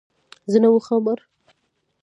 _زه نه وم خبر.